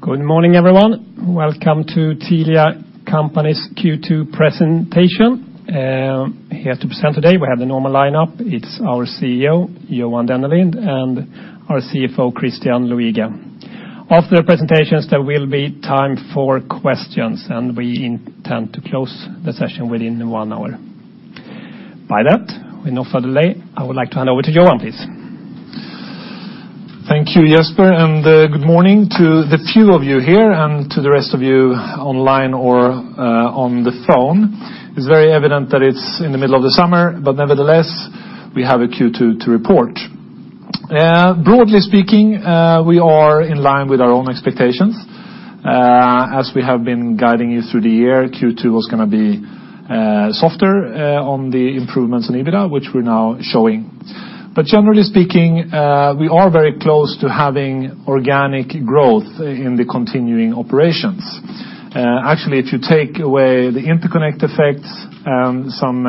Good morning, everyone. Welcome to Telia Company's Q2 presentation. Here to present today, we have the normal lineup. It is our CEO, Johan Dennelind, and our CFO, Christian Luiga. After the presentations, there will be time for questions, and we intend to close the session within one hour. By that, with no further delay, I would like to hand over to Johan, please. Thank you, Jesper, and good morning to the few of you here and to the rest of you online or on the phone. It is very evident that it is in the middle of the summer, but nevertheless, we have a Q2 to report. Broadly speaking, we are in line with our own expectations. As we have been guiding you through the year, Q2 was going to be softer on the improvements in EBITDA, which we are now showing. Generally speaking, we are very close to having organic growth in the continuing operations. Actually, if you take away the interconnect effects and some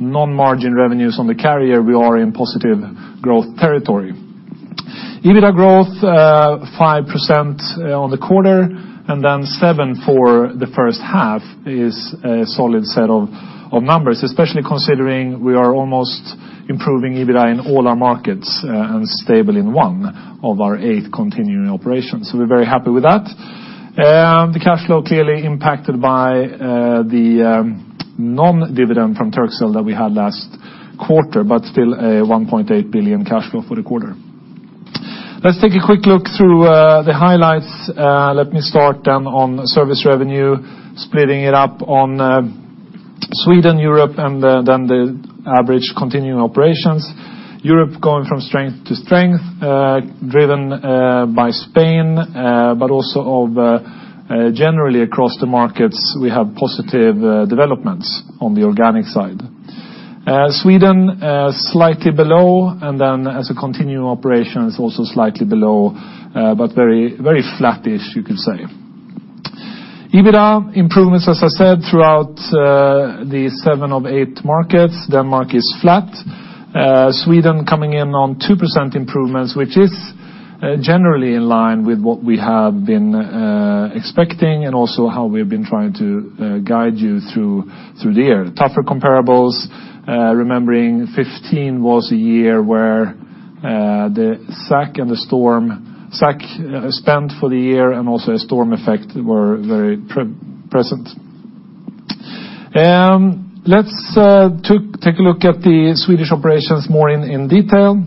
non-margin revenues on the carrier, we are in positive growth territory. EBITDA growth, 5% on the quarter and 7% for the first half is a solid set of numbers, especially considering we are almost improving EBITDA in all our markets and stable in one of our eight continuing operations. We are very happy with that. The cash flow clearly impacted by the non-dividend from Turkcell that we had last quarter, but still a 1.8 billion cash flow for the quarter. Let us take a quick look through the highlights. Let me start on service revenue, splitting it up on Sweden, Europe, and the average continuing operations. Europe going from strength to strength, driven by Spain, but also generally across the markets, we have positive developments on the organic side. Sweden, slightly below, and as a continuing operation, it is also slightly below, but very flattish, you could say. EBITDA improvements, as I said, throughout the seven of eight markets. Denmark is flat. Sweden coming in on 2% improvements, which is generally in line with what we have been expecting and also how we have been trying to guide you through the year. Tougher comparables, remembering 2015 was a year where the SAC spent for the year and also a storm effect were very present. Let us take a look at the Swedish operations more in detail.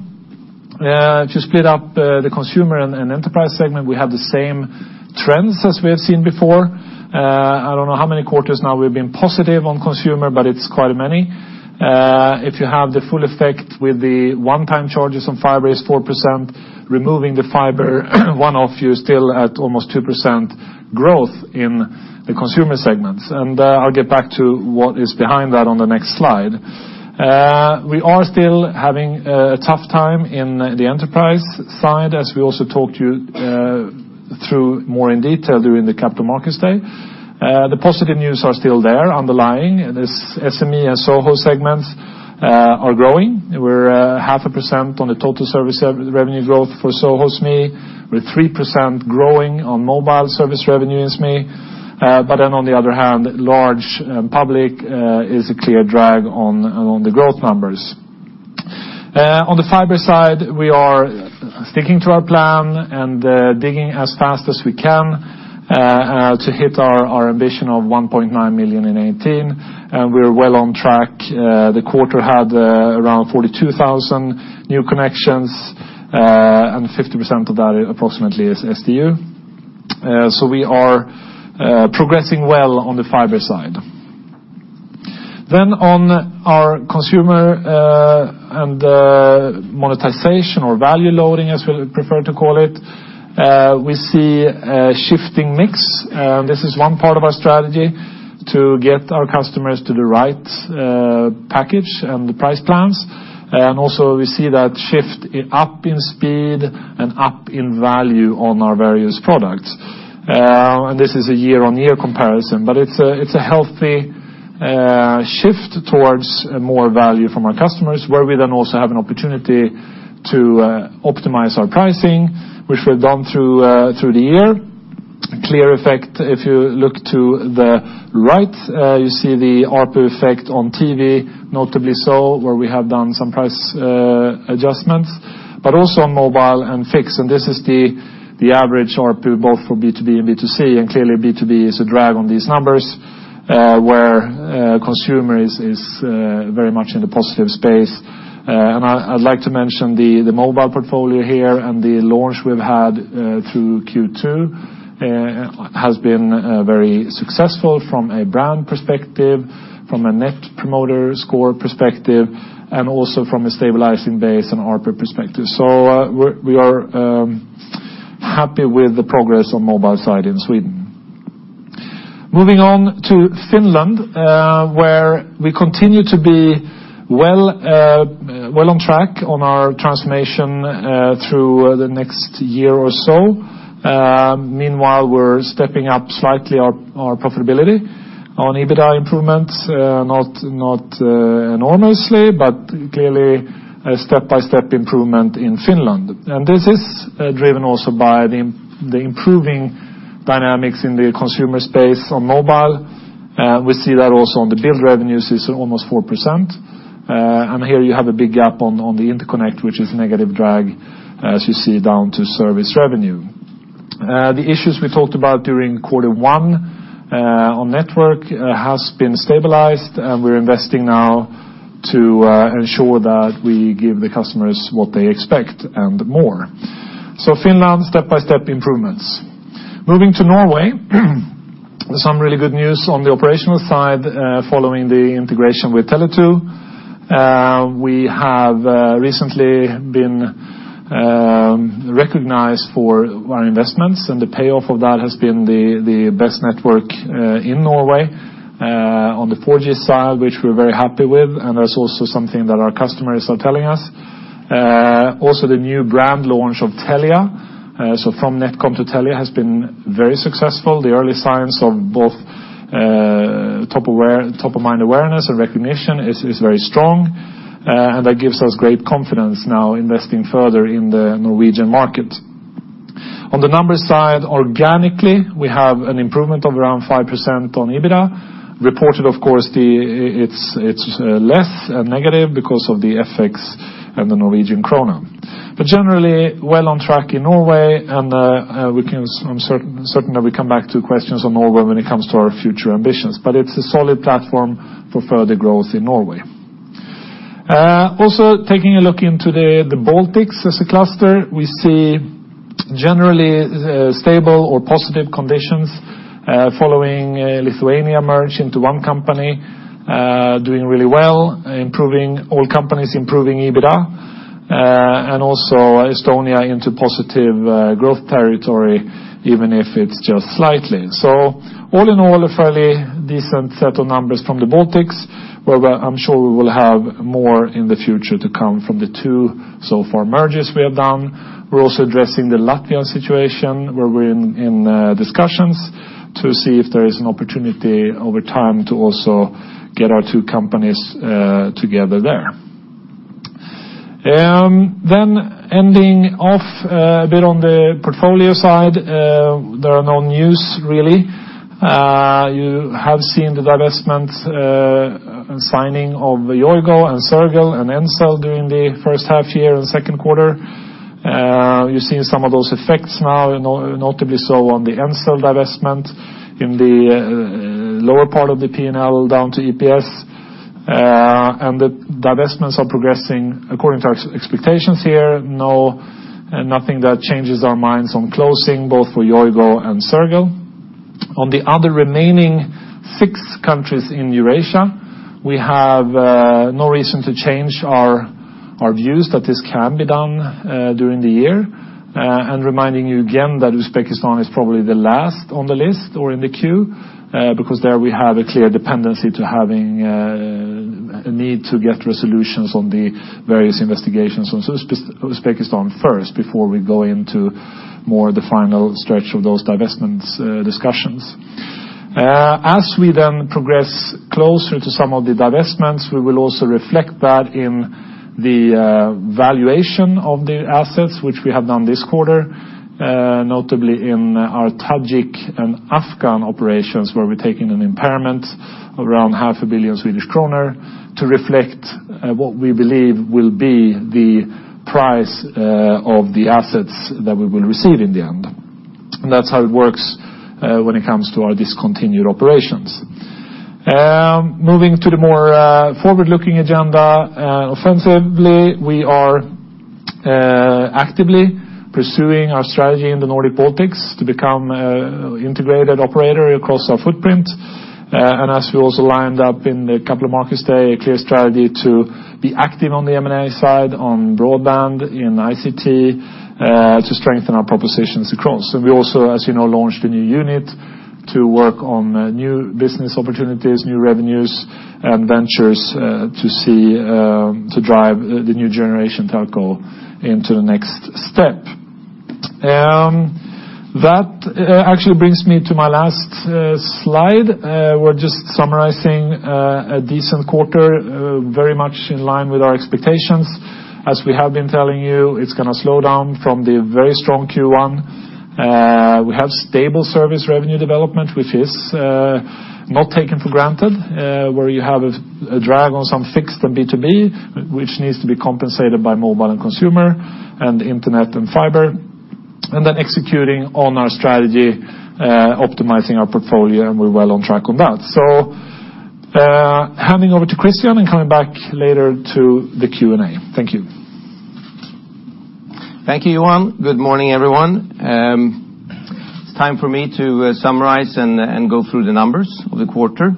If you split up the consumer and enterprise segment, we have the same trends as we have seen before. I do not know how many quarters now we have been positive on consumer, but it is quite many. If you have the full effect with the one-time charges on fiber is 4%, removing the fiber one-off, you are still at almost 2% growth in the consumer segments. I will get back to what is behind that on the next slide. We are still having a tough time in the enterprise side, as we also talked you through more in detail during the Capital Markets Day. The positive news are still there underlying. The SME and SOHO segments are growing. We're at 0.5% on the total service revenue growth for SOHO SME. We're 3% growing on mobile service revenue SME. On the other hand, large public is a clear drag on the growth numbers. On the fiber side, we are sticking to our plan and digging as fast as we can to hit our ambition of 1.9 million in 2018. We're well on track. The quarter had around 42,000 new connections, and 50% of that approximately is SDU. We are progressing well on the fiber side. On our consumer and monetization or value loading, as we prefer to call it, we see a shifting mix. This is one part of our strategy to get our customers to the right package and the price plans. Also we see that shift up in speed and up in value on our various products. This is a year-on-year comparison, it's a healthy shift towards more value from our customers, where we then also have an opportunity to optimize our pricing, which we've done through the year. A clear effect if you look to the right, you see the ARPU effect on TV, notably so where we have done some price adjustments. Also on mobile and fixed, this is the average ARPU both for B2B and B2C, clearly B2B is a drag on these numbers, where consumer is very much in the positive space. I'd like to mention the mobile portfolio here, the launch we've had through Q2 has been very successful from a brand perspective, from a net promoter score perspective, also from a stabilizing base and ARPU perspective. We are happy with the progress on mobile side in Sweden. Moving on to Finland, where we continue to be well on track on our transformation through the next year or so. Meanwhile, we're stepping up slightly our profitability on EBITDA improvements. Not enormously, clearly a step-by-step improvement in Finland. This is driven also by the improving dynamics in the consumer space on mobile. We see that also on the billed revenues is almost 4%. Here you have a big gap on the interconnect, which is negative drag, as you see, down to service revenue. The issues we talked about during quarter one on network has been stabilized. We're investing now to ensure that we give the customers what they expect and more. Finland, step-by-step improvements. Moving to Norway. Some really good news on the operational side following the integration with Tele2. We have recently been recognized for our investments, the payoff of that has been the best network in Norway, on the 4G side, which we're very happy with, that's also something that our customers are telling us. The new brand launch of Telia, from NetCom to Telia, has been very successful. The early signs of both top-of-mind awareness and recognition is very strong, that gives us great confidence now investing further in the Norwegian market. On the numbers side, organically, we have an improvement of around 5% on EBITDA. Reported, of course, it's less negative because of the FX and the Norwegian kroner. Generally well on track in Norway and I'm certain that we come back to questions on Norway when it comes to our future ambitions. It's a solid platform for further growth in Norway. Taking a look into the Baltics as a cluster. We see generally stable or positive conditions following Lithuania merge into one company, doing really well, all companies improving EBITDA. Estonia into positive growth territory, even if it's just slightly. All in all, a fairly decent set of numbers from the Baltics, where I'm sure we will have more in the future to come from the two so-far mergers we have done. We're also addressing the Latvian situation, where we're in discussions to see if there is an opportunity over time to also get our two companies together there. Ending off a bit on the portfolio side. There are no news really. You have seen the divestment and signing of Yoigo and Sergel and Ncell during the first half year and second quarter. You're seeing some of those effects now, notably so on the Ncell divestment in the lower part of the P&L down to EPS. The divestments are progressing according to our expectations here. Nothing that changes our minds on closing, both for Yoigo and Sergel. On the other remaining six countries in Eurasia, we have no reason to change our views that this can be done during the year. Reminding you again that Uzbekistan is probably the last on the list, or in the queue, because there we have a clear dependency to having a need to get resolutions on the various investigations on Uzbekistan first before we go into more the final stretch of those divestments discussions. Progressing closer to some of the divestments, we will also reflect that in the valuation of the assets, which we have done this quarter, notably in our Tajik and Afghan operations, where we're taking an impairment around half a billion SEK to reflect what we believe will be the price of the assets that we will receive in the end. That's how it works when it comes to our discontinued operations. Moving to the more forward-looking agenda. Offensively, we are actively pursuing our strategy in the Nordic Baltics to become integrated operator across our footprint. As we also lined up in the Capital Markets Day, a clear strategy to be active on the M&A side, on broadband, in ICT, to strengthen our propositions across. We also, as you know, launched a new unit to work on new business opportunities, new revenues and ventures to drive the new generation Telco into the next step. That actually brings me to my last slide. We're just summarizing a decent quarter, very much in line with our expectations. We have been telling you, it's going to slow down from the very strong Q1. We have stable service revenue development, which is not taken for granted, where you have a drag on some fixed and B2B, which needs to be compensated by mobile and consumer and internet and fiber. Executing on our strategy, optimizing our portfolio, and we're well on track on that. handing over to Christian and coming back later to the Q&A. Thank you. Thank you, Johan. Good morning, everyone. It's time for me to summarize and go through the numbers of the quarter.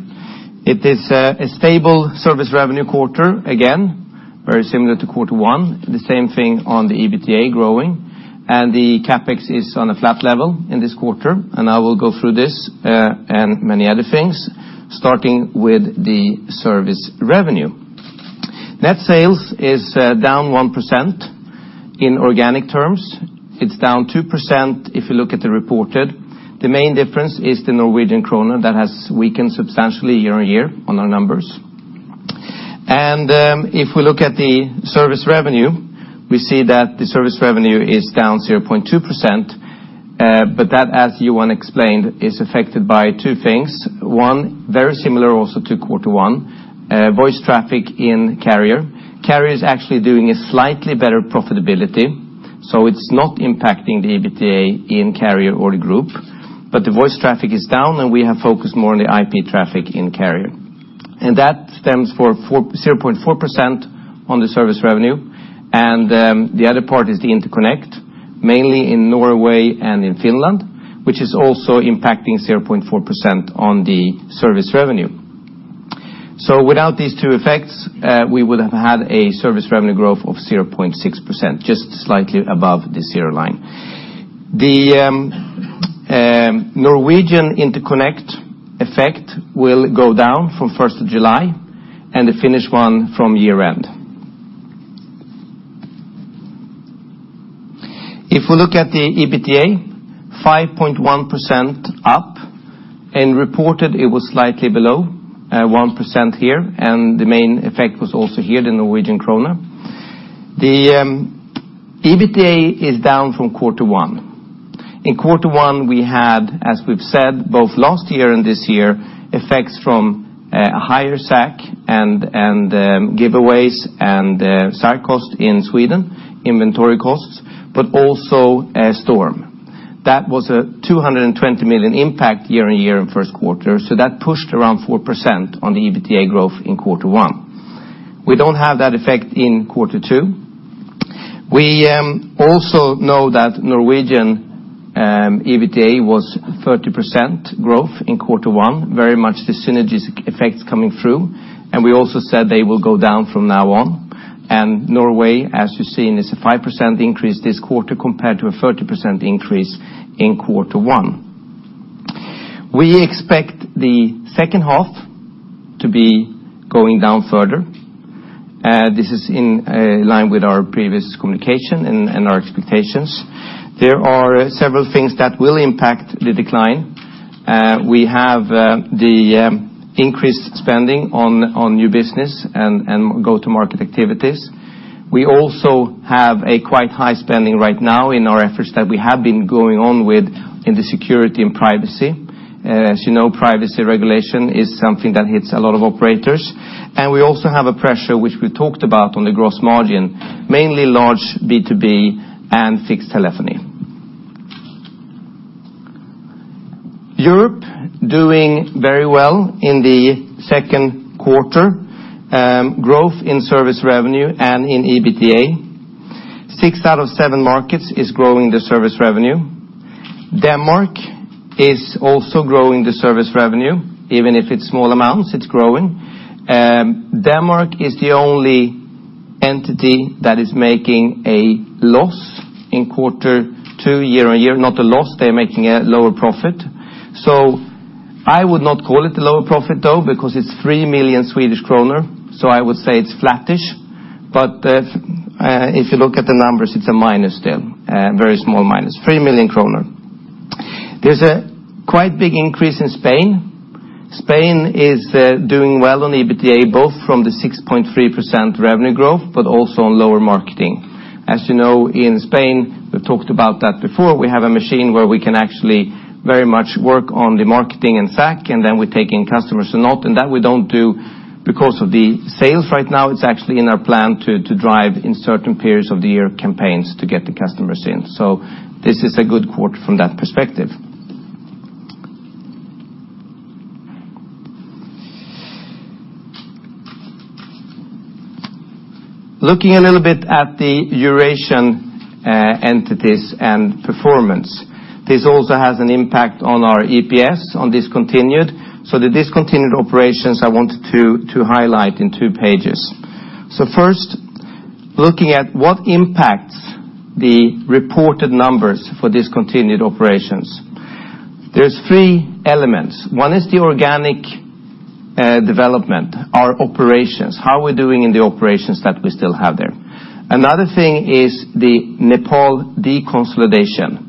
It is a stable service revenue quarter again. Very similar to quarter one, the same thing on the EBITDA growing, and the CapEx is on a flat level in this quarter. I will go through this and many other things, starting with the service revenue. Net sales is down 1% in organic terms. It's down 2% if you look at the reported. The main difference is the Norwegian kroner that has weakened substantially year-on-year on our numbers. If we look at the service revenue, we see that the service revenue is down 0.2%, but that, as Johan explained, is affected by two things. One, very similar also to quarter one, voice traffic in carrier. Carrier is actually doing a slightly better profitability, so it's not impacting the EBITDA in carrier or the group. The voice traffic is down, and we have focused more on the IP traffic in carrier. That stands for 0.4% on the service revenue, and the other part is the interconnect, mainly in Norway and in Finland, which is also impacting 0.4% on the service revenue. Without these two effects, we would have had a service revenue growth of 0.6%, just slightly above the zero line. The Norwegian interconnect effect will go down from 1st of July, and the Finnish one from year-end. If we look at the EBITDA, 5.1% up, and reported it was slightly below 1% here, and the main effect was also here, the Norwegian kroner. The EBITDA is down from quarter one. In quarter one, we had, as we've said both last year and this year, effects from higher SAC and giveaways and side costs in Sweden, inventory costs, but also Storm. That was a 220 million impact year-on-year in first quarter, so that pushed around 4% on the EBITDA growth in quarter one. We don't have that effect in quarter two. We also know that Norwegian EBITDA was 30% growth in quarter one, very much the synergies effect coming through. We also said they will go down from now on. Norway, as you've seen, is a 5% increase this quarter compared to a 30% increase in quarter one. We expect the second half to be going down further. This is in line with our previous communication and our expectations. There are several things that will impact the decline. We have the increased spending on new business and go-to-market activities. We also have a quite high spending right now in our efforts that we have been going on with in the security and privacy. As you know, privacy regulation is something that hits a lot of operators. We also have a pressure, which we talked about on the gross margin, mainly large B2B and fixed telephony. Europe doing very well in the second quarter. Growth in service revenue and in EBITDA. Six out of seven markets is growing the service revenue. Denmark is also growing the service revenue. Even if it's small amounts, it's growing. Denmark is the only entity that is making a loss in quarter two year-on-year. Not a loss, they are making a lower profit. I would not call it a lower profit, though, because it's 3 million Swedish kronor. I would say it's flattish, if you look at the numbers, it's a minus still, a very small minus, 3 million kronor. There's a quite big increase in Spain. Spain is doing well on EBITDA, both from the 6.3% revenue growth, also on lower marketing. As you know, in Spain, we've talked about that before, we have a machine where we can actually very much work on the marketing and SAC, then we take in customers or not, and that we don't do because of the sales right now. It's actually in our plan to drive in certain periods of the year campaigns to get the customers in. This is a good quarter from that perspective. Looking a little bit at the Eurasian entities and performance. This also has an impact on our EPS on discontinued. The discontinued operations, I wanted to highlight in two pages. First, looking at what impacts the reported numbers for discontinued operations. There's three elements. One is the organic development, our operations, how we're doing in the operations that we still have there. Another thing is the Ncell deconsolidation.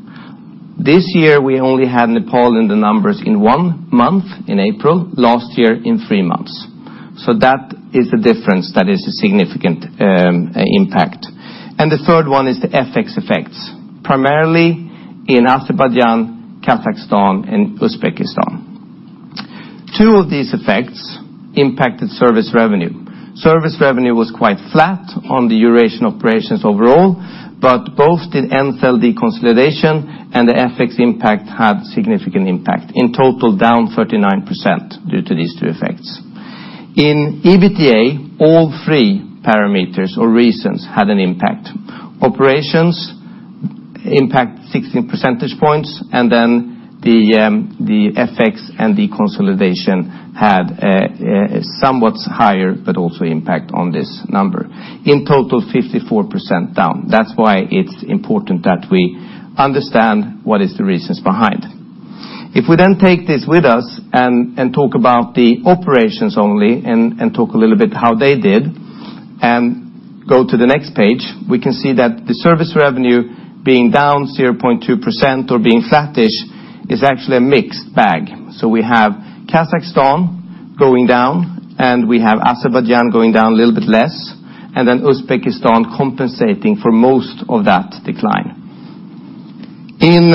This year, we only had Ncell in the numbers in one month, in April, last year in three months. That is the difference that is a significant impact. The third one is the FX effects, primarily in Azerbaijan, Kazakhstan, and Uzbekistan. Two of these effects impacted service revenue. Service revenue was quite flat on the Eurasian operations overall, both the Ncell deconsolidation and the FX impact had significant impact, in total down 39% due to these two effects. In EBITDA, all three parameters or reasons had an impact. Operations Impact 16 percentage points, the FX and deconsolidation had a somewhat higher, also impact on this number. In total, 54% down. That's why it's important that we understand what is the reasons behind. We take this with us and talk about the operations only, talk a little bit how they did, go to the next page, we can see that the service revenue being down 0.2% or being flattish is actually a mixed bag. We have Kazakhstan going down, we have Azerbaijan going down a little bit less, Uzbekistan compensating for most of that decline. In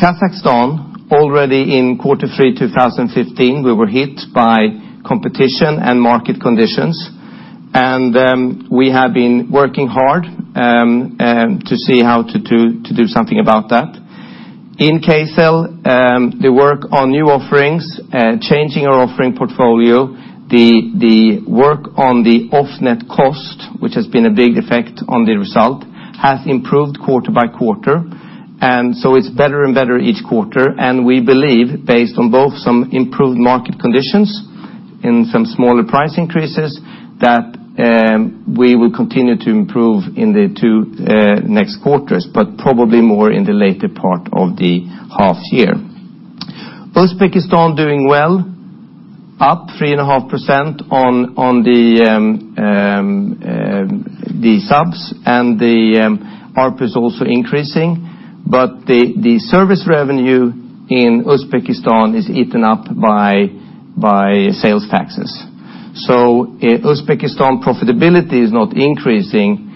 Kazakhstan, already in quarter three 2015, we were hit by competition and market conditions, we have been working hard to see how to do something about that. In Kcell, the work on new offerings, changing our offering portfolio, the work on the off-net cost, which has been a big effect on the result, has improved quarter by quarter. It's better and better each quarter, and we believe, based on both some improved market conditions and some smaller price increases, that we will continue to improve in the two next quarters, but probably more in the later part of the half year. Uzbekistan doing well, up 3.5% on the subs, and the ARPU is also increasing. The service revenue in Uzbekistan is eaten up by sales taxes. Uzbekistan profitability is not increasing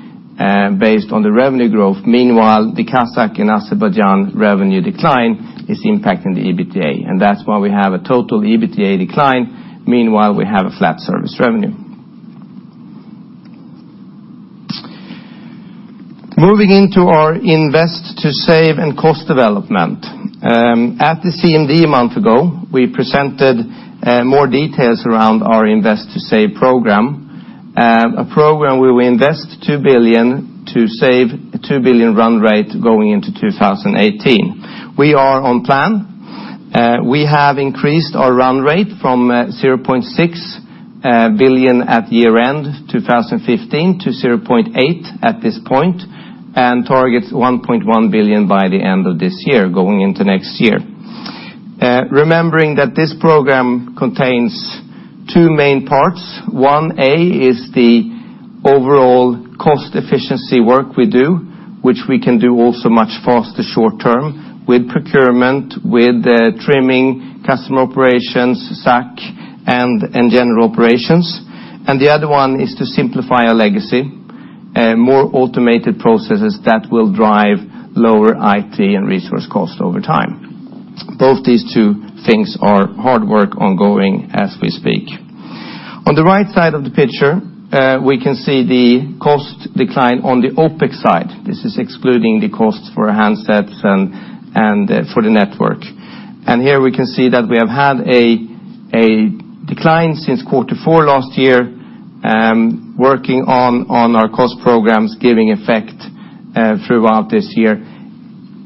based on the revenue growth. Meanwhile, the Kazakh and Azerbaijan revenue decline is impacting the EBITDA, and that's why we have a total EBITDA decline, meanwhile, we have a flat service revenue. Moving into our Invest to Save and cost development. At the CMD a month ago, we presented more details around our Invest to Save program. A program where we invest two billion to save two billion run rate going into 2018. We are on plan. We have increased our run rate from 0.6 billion at year-end 2015 to 0.8 at this point, and targets 1.1 billion by the end of this year, going into next year. Remembering that this program contains two main parts. One A is the overall cost efficiency work we do, which we can do also much faster short-term with procurement, with trimming customer operations, SAC, and general operations. The other one is to simplify our legacy. More automated processes that will drive lower IT and resource cost over time. Both these two things are hard work ongoing as we speak. On the right side of the picture, we can see the cost decline on the OpEx side. This is excluding the cost for handsets and for the network. Here we can see that we have had a decline since quarter four last year, working on our cost programs giving effect throughout this year.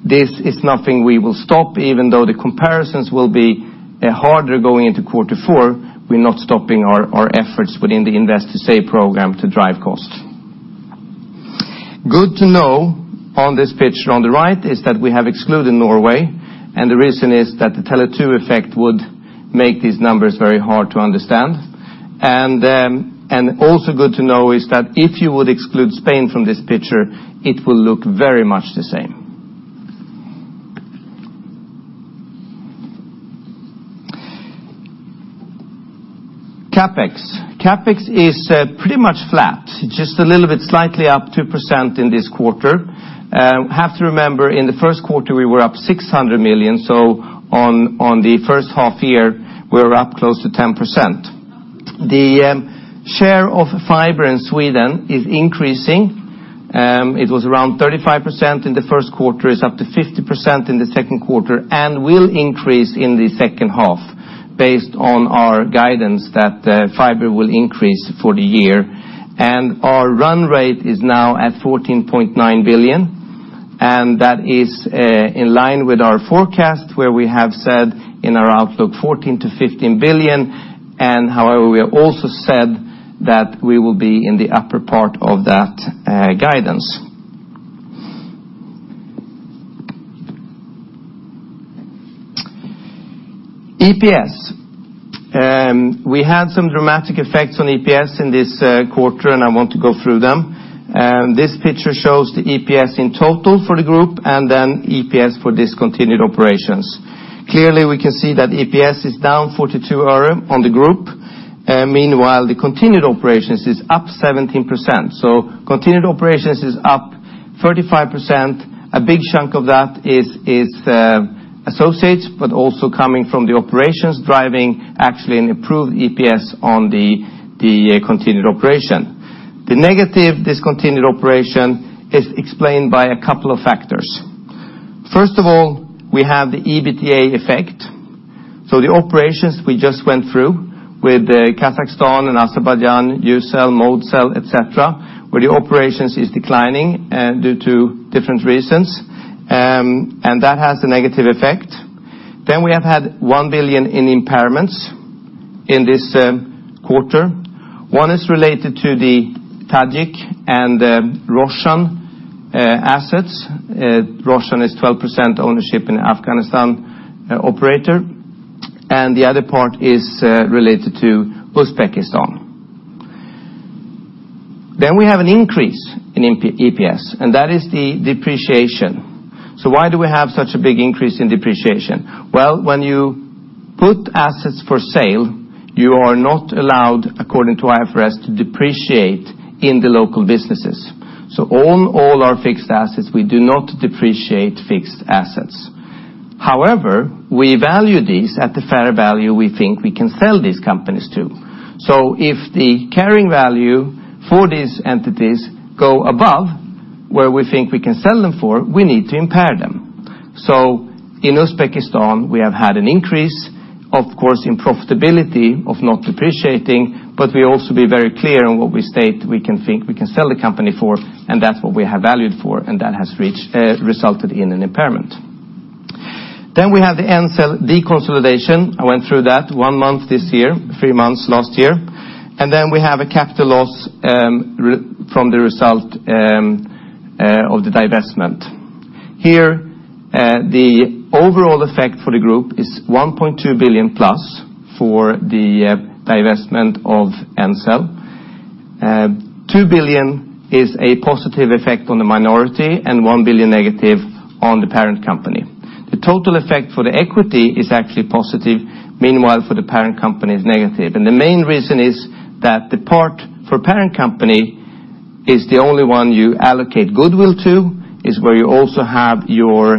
This is nothing we will stop, even though the comparisons will be harder going into quarter four, we're not stopping our efforts within the Invest to Save program to drive cost. Good to know on this picture on the right is that we have excluded Norway, the reason is that the Tele2 effect would make these numbers very hard to understand. Also good to know is that if you would exclude Spain from this picture, it will look very much the same. CapEx. CapEx is pretty much flat, just a little bit slightly up 2% in this quarter. Have to remember, in the first quarter, we were up 600 million, so on the first half year, we were up close to 10%. The share of fiber in Sweden is increasing. It was around 35% in the first quarter, it's up to 50% in the second quarter, and will increase in the second half based on our guidance that fiber will increase for the year. Our run rate is now at 14.9 billion, and that is in line with our forecast where we have said in our outlook 14 billion-15 billion. However, we have also said that we will be in the upper part of that guidance. EPS. We had some dramatic effects on EPS in this quarter. I want to go through them. This picture shows the EPS in total for the group, and then EPS for discontinued operations. Clearly, we can see that EPS is down 42% on the group. Meanwhile, the continued operations is up 17%. Continued operations is up 35%. A big chunk of that is associates, but also coming from the operations driving actually an improved EPS on the continued operation. The negative discontinued operation is explained by a couple of factors. First of all, we have the EBITDA effect. The operations we just went through with Kazakhstan and Azerbaijan, Ucell, Moldcell, et cetera, where the operations is declining due to different reasons, and that has a negative effect. Then we have had 1 billion in impairments in this quarter. One is related to the Tcell and Roshan assets. Roshan is 12% ownership in Afghanistan operator, and the other part is related to Uzbekistan. We have an increase in EPS, and that is the depreciation. Why do we have such a big increase in depreciation? Well, when you put assets for sale, you are not allowed, according to IFRS, to depreciate in the local businesses. On all our fixed assets, we do not depreciate fixed assets. However, we value these at the fair value we think we can sell these companies to. If the carrying value for these entities go above where we think we can sell them for, we need to impair them. In Uzbekistan, we have had an increase, of course, in profitability of not depreciating, but we also be very clear on what we state we think we can sell the company for, and that's what we have valued for, and that has resulted in an impairment. Then we have the Ncell deconsolidation. I went through that one month this year, three months last year. We have a capital loss from the result of the divestment. Here, the overall effect for the group is 1.2 billion plus for the divestment of Ncell. 2 billion is a positive effect on the minority, and 1 billion negative on the parent company. The total effect for the equity is actually positive, meanwhile for the parent company is negative. The main reason is that the part for parent company is the only one you allocate goodwill to, is where you also have your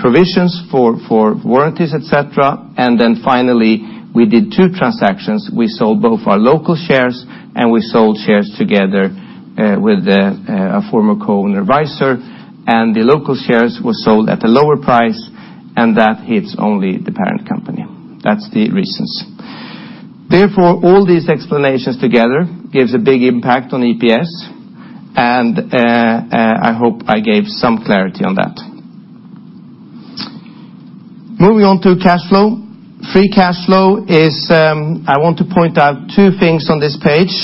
provisions for warranties, et cetera. Finally, we did two transactions. We sold both our local shares and we sold shares together with a former co-owner, Visor. The local shares were sold at a lower price, and that hits only the parent company. That's the reasons. Therefore, all these explanations together gives a big impact on EPS, and I hope I gave some clarity on that. Moving on to cash flow. I want to point out two things on this page.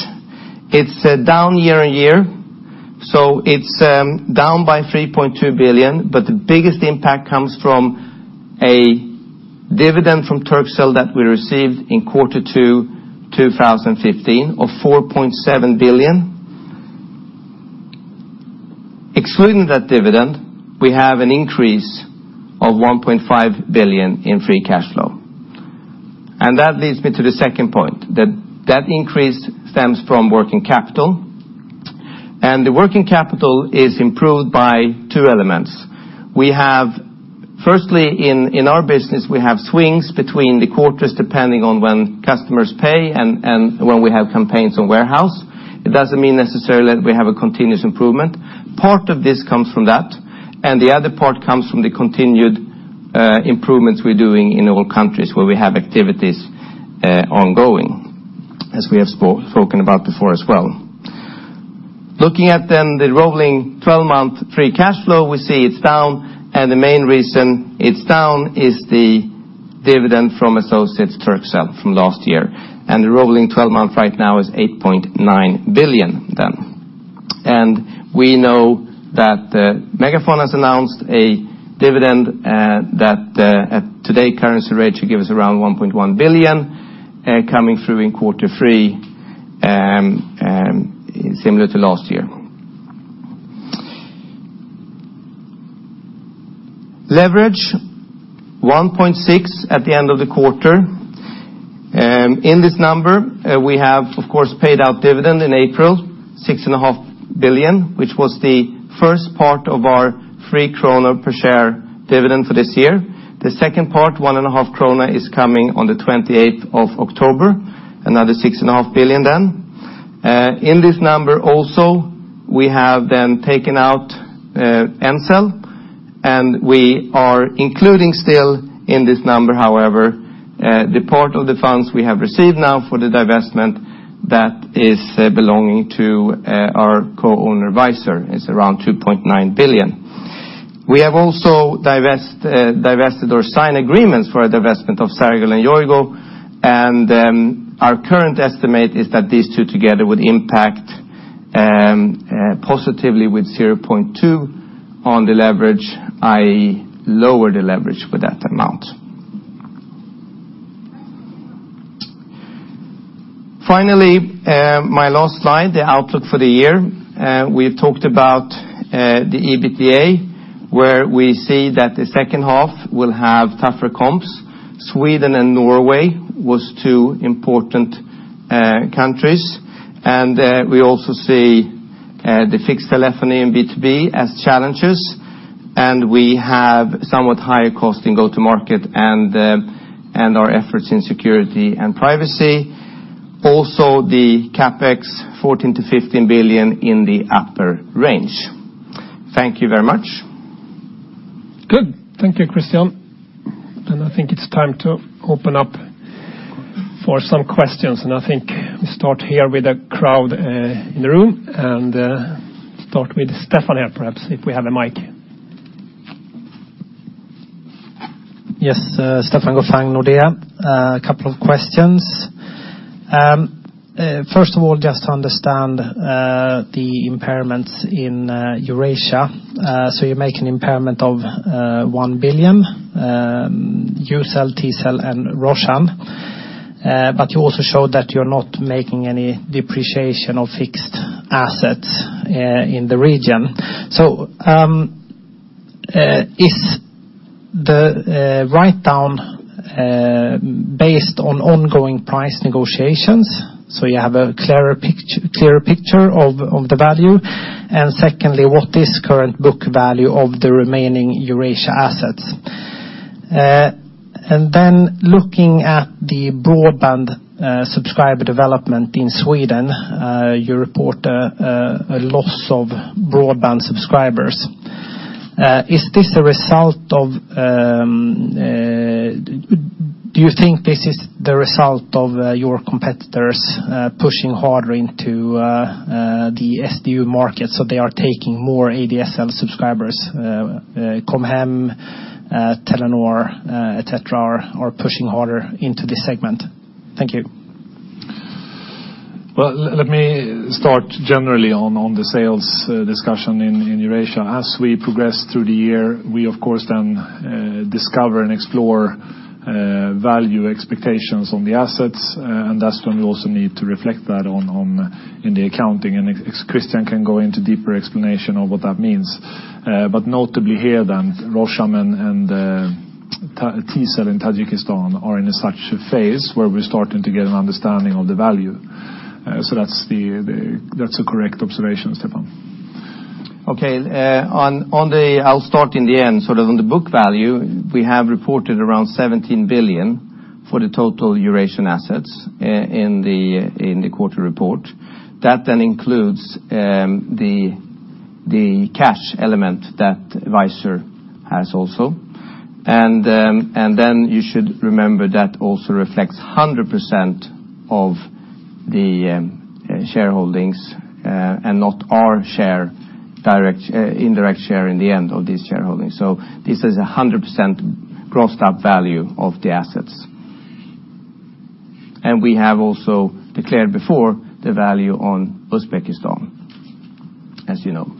It's down year-over-year, it's down by 3.2 billion, but the biggest impact comes from a dividend from Turkcell that we received in Q2 2015 of SEK 4.7 billion. Excluding that dividend, we have an increase of 1.5 billion in free cash flow. That leads me to the second point, that that increase stems from working capital. The working capital is improved by two elements. Firstly, in our business, we have swings between the quarters depending on when customers pay and when we have campaigns on warehouse. It doesn't mean necessarily that we have a continuous improvement. Part of this comes from that. The other part comes from the continued improvements we're doing in all countries where we have activities ongoing, as we have spoken about before as well. Looking at the rolling 12-month free cash flow, we see it's down. The main reason it's down is the dividend from associates Turkcell from last year. The rolling 12-month right now is 8.9 billion. We know that MegaFon has announced a dividend that at today currency rate should give us around 1.1 billion coming through in quarter three, similar to last year. Leverage, 1.6 at the end of the quarter. In this number, we have, of course, paid out dividend in April, 6.5 billion, which was the first part of our 3 kronor per share dividend for this year. The second part, 1.5 kronor, is coming on the 28th of October, another 6.5 billion. In this number also, we have taken out Ncell. We are including still in this number, however, the part of the funds we have received now for the divestment that is belonging to our co-owner, Visor. It's around 2.9 billion. We have also divested or signed agreements for a divestment of Sergel and Yoigo. Our current estimate is that these two together would impact positively with 0.2 on the leverage, i.e., lower the leverage with that amount. Finally, my last slide, the outlook for the year. We've talked about the EBITDA, where we see that the second half will have tougher comps. Sweden and Norway was two important countries. We also see the fixed telephony and B2B as challenges. We have somewhat higher cost in go-to-market and our efforts in security and privacy. Also, the CapEx 14 billion-15 billion in the upper range. Thank you very much. Thank you, Christian. I think it's time to open up for some questions. I think we start here with the crowd in the room and start with Stefan here perhaps, if we have a mic. Yes. Stefan Gauffin, Nordea. A couple of questions. First of all, just to understand the impairments in Eurasia. You make an impairment of 1 billion, Ucell, Tcell, and Roshan. You also showed that you're not making any depreciation of fixed assets in the region. Is the write-down based on ongoing price negotiations so you have a clearer picture of the value? Secondly, what is current book value of the remaining Eurasia assets? Looking at the broadband subscriber development in Sweden, you report a loss of broadband subscribers. Do you think this is the result of your competitors pushing harder into the SDU market, so they are taking more ADSL subscribers? Com Hem, Telenor, et cetera, are pushing harder into this segment. Thank you. Well, let me start generally on the sales discussion in Eurasia. As we progress through the year, we of course discover and explore value expectations on the assets, that's when we also need to reflect that in the accounting. Christian can go into deeper explanation of what that means. Notably here, Roshan and Tcell in Tajikistan are in such a phase where we're starting to get an understanding of the value. That's a correct observation, Stefan. Okay. I'll start in the end. On the book value, we have reported around 17 billion for the total Eurasian assets in the quarterly report. That includes the cash element that Visor has also. You should remember that also reflects 100% of the shareholdings, not our indirect share in the end of this shareholding. This is 100% grossed-up value of the assets. We have also declared before the value on Uzbekistan, as you know.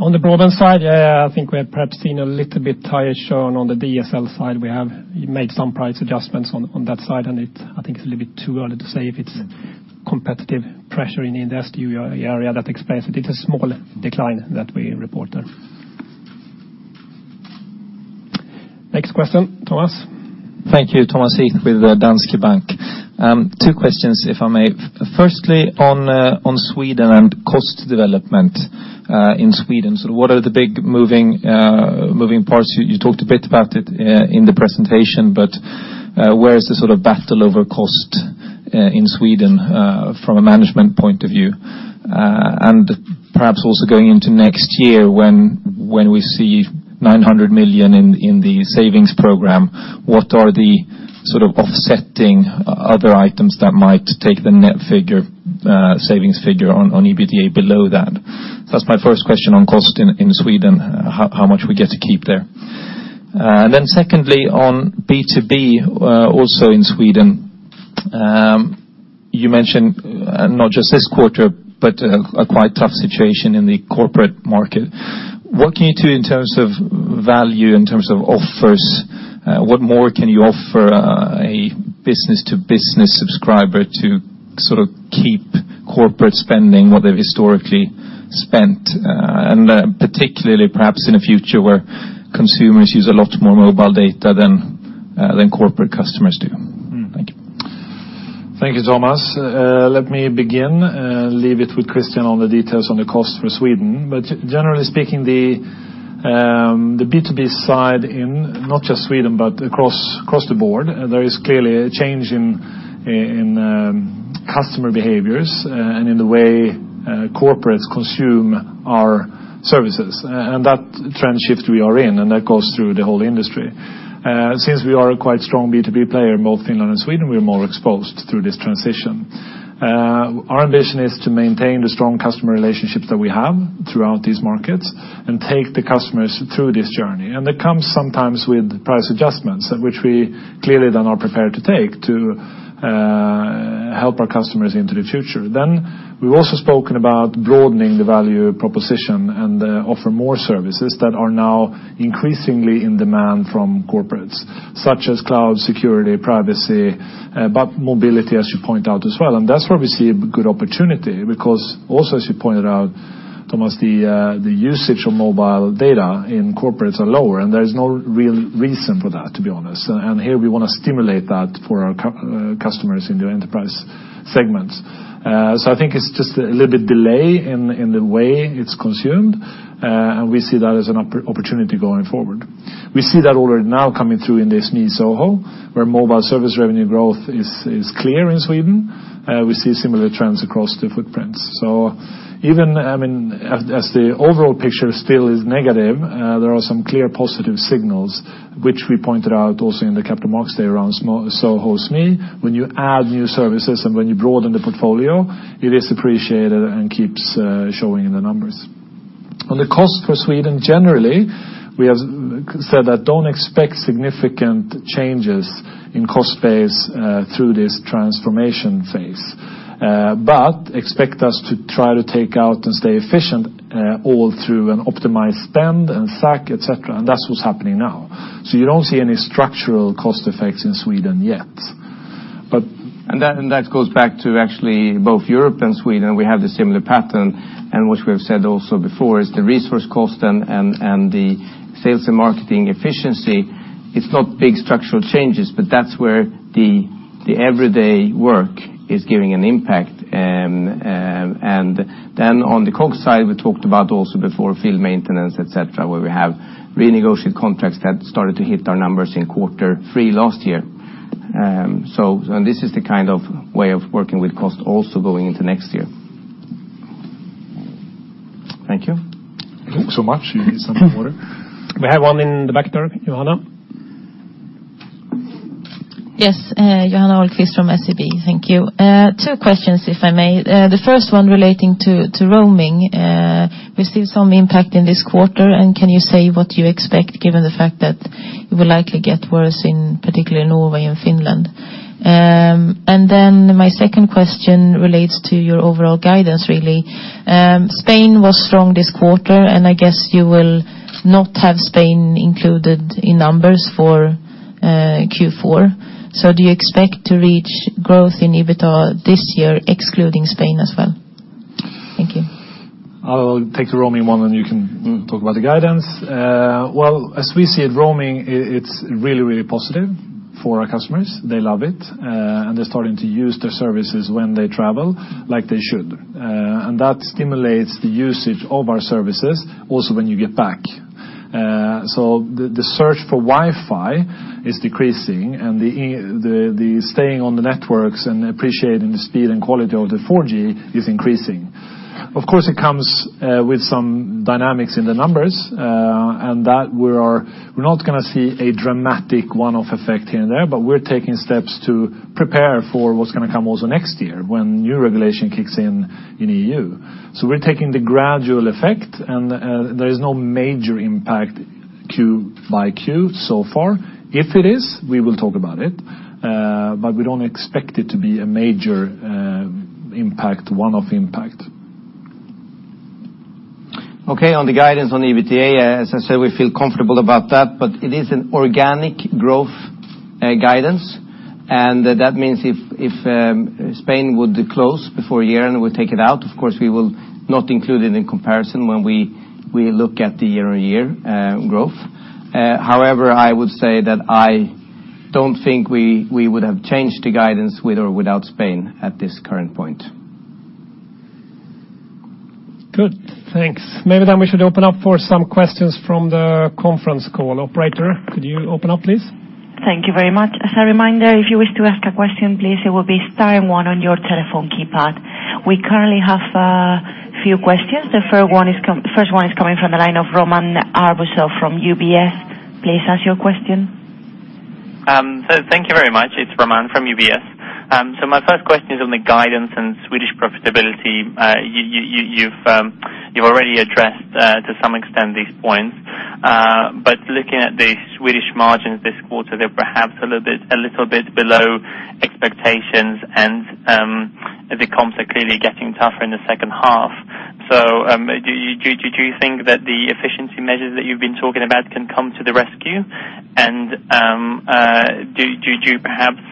On the broadband side, I think we have perhaps seen a little bit higher churn on the DSL side. We have made some price adjustments on that side, and I think it's a little bit too early to say if it's competitive pressure in the SDU area that explains it. It's a small decline that we report there. Next question. Thomas. Thank you. Thomas Heath with Danske Bank. Two questions, if I may. Firstly, on Sweden and cost development in Sweden. What are the big moving parts? You talked a bit about it in the presentation, but where is the battle over cost in Sweden from a management point of view? Perhaps also going into next year when we see 900 million in the savings program, what are the offsetting other items that might take the net savings figure on EBITDA below that? That's my first question on cost in Sweden, how much we get to keep there. Secondly, on B2B, also in Sweden. You mentioned not just this quarter, but a quite tough situation in the corporate market. What can you do in terms of value, in terms of offers? What more can you offer a business-to-business subscriber to keep corporate spending what they've historically spent, and particularly perhaps in a future where consumers use a lot more mobile data than corporate customers do? Thank you. Thank you, Thomas. Let me begin, leave it with Christian on the details on the cost for Sweden. Generally speaking, the B2B side in not just Sweden, but across the board, there is clearly a change in customer behaviors and in the way corporates consume our services. That trend shift we are in, and that goes through the whole industry. Since we are a quite strong B2B player in both Finland and Sweden, we're more exposed through this transition. Our ambition is to maintain the strong customer relationships that we have throughout these markets and take the customers through this journey. That comes sometimes with price adjustments, which we clearly then are prepared to take to help our customers into the future. We've also spoken about broadening the value proposition and offer more services that are now increasingly in demand from corporates, such as cloud security, privacy, but mobility, as you point out as well. That's where we see a good opportunity because also, as you pointed out Thomas, the usage of mobile data in corporates are lower, and there is no real reason for that, to be honest. Here we want to stimulate that for our customers in the enterprise segments. I think it's just a little bit delay in the way it's consumed, and we see that as an opportunity going forward. We see that already now coming through in the SME/SoHo, where mobile service revenue growth is clear in Sweden. We see similar trends across the footprints. As the overall picture still is negative, there are some clear positive signals which we pointed out also in the Capital Markets Day around SoHo/SME. When you add new services and when you broaden the portfolio, it is appreciated and keeps showing in the numbers. On the cost for Sweden, generally, we have said that don't expect significant changes in cost base through this transformation phase. Expect us to try to take out and stay efficient all through an optimized spend and SAC, et cetera, and that's what's happening now. You don't see any structural cost effects in Sweden yet. That goes back to actually both Europe and Sweden, we have the similar pattern, which we have said also before, is the resource cost and the sales and marketing efficiency. It's not big structural changes, but that's where the everyday work is giving an impact. On the cost side, we talked about also before field maintenance, et cetera, where we have renegotiated contracts that started to hit our numbers in quarter three last year. This is the kind of way of working with cost also going into next year. Thank you. Thanks so much. You need some more water? We have one in the back there. Johanna? Yes. Johanna Ahlqvist from SEB. Thank you. Two questions, if I may. The first one relating to roaming. We see some impact in this quarter. Can you say what you expect given the fact that it will likely get worse in particularly Norway and Finland? My second question relates to your overall guidance, really. Spain was strong this quarter, and I guess you will not have Spain included in numbers for Q4. Do you expect to reach growth in EBITDA this year, excluding Spain as well? Thank you. I'll take the roaming one. You can talk about the guidance. Well, as we see it, roaming, it's really positive for our customers. They love it, and they're starting to use their services when they travel, like they should. That stimulates the usage of our services also when you get back. The search for Wi-Fi is decreasing, and the staying on the networks and appreciating the speed and quality of the 4G is increasing. Of course, it comes with some dynamics in the numbers, and that we're not going to see a dramatic one-off effect here and there, but we're taking steps to prepare for what's going to come also next year when new regulation kicks in in EU. We're taking the gradual effect, and there is no major impact Q by Q so far. If it is, we will talk about it. We don't expect it to be a major one-off impact. Okay, on the guidance on the EBITDA, as I said, we feel comfortable about that. It is an organic growth guidance. That means if Spain would close before year-end, we'll take it out. We will not include it in comparison when we look at the year-on-year growth. I would say that I don't think we would have changed the guidance with or without Spain at this current point. Good. Thanks. Maybe we should open up for some questions from the conference call. Operator, could you open up, please? Thank you very much. As a reminder, if you wish to ask a question, please, it will be star one on your telephone keypad. We currently have a few questions. The first one is coming from the line of Roman Arbuzov from UBS. Please ask your question. Thank you very much. It's Roman from UBS. My first question is on the guidance and Swedish profitability. You've already addressed, to some extent, these points. Looking at the Swedish margins this quarter, they're perhaps a little bit below expectations, and the comps are clearly getting tougher in the second half. Do you think that the efficiency measures that you've been talking about can come to the rescue? Do you perhaps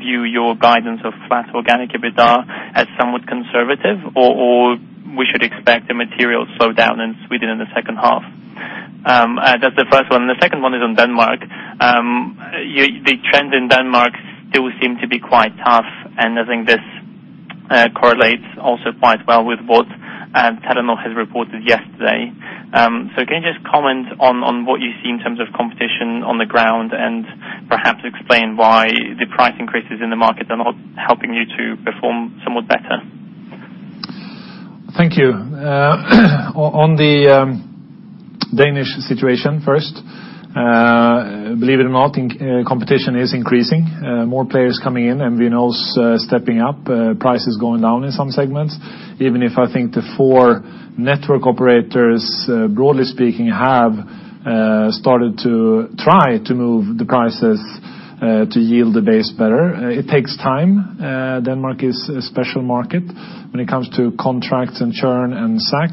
view your guidance of flat organic EBITDA as somewhat conservative, or we should expect a material slowdown in Sweden in the second half? That's the first one. The second one is on Denmark. The trends in Denmark still seem to be quite tough, and I think this correlates also quite well with what TDC has reported yesterday. Can you just comment on what you see in terms of competition on the ground and perhaps explain why the price increases in the market are not helping you to perform somewhat better? Thank you. On the Danish situation first, believe it or not, competition is increasing. More players coming in, MNOs stepping up, prices going down in some segments. Even if I think the four network operators, broadly speaking, have started to try to move the prices To yield the base better. It takes time. Denmark is a special market when it comes to contracts and churn and stack.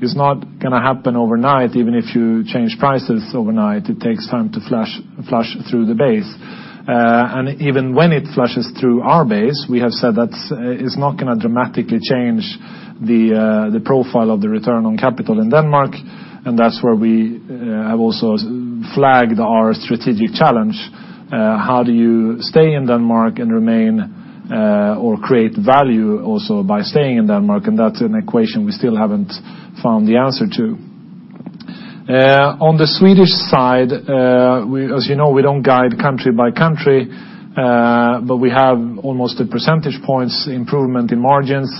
It's not going to happen overnight. Even if you change prices overnight, it takes time to flush through the base. Even when it flushes through our base, we have said that it's not going to dramatically change the profile of the return on capital in Denmark, and that's where we have also flagged our strategic challenge. How do you stay in Denmark and remain or create value also by staying in Denmark? That's an equation we still haven't found the answer to. On the Swedish side, as you know, we don't guide country by country. We have almost a percentage points improvement in margins.